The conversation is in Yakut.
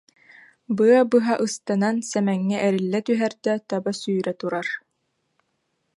Быа быһа ыстанан Сэмэҥҥэ эриллэ түһэр да, таба сүүрэ турар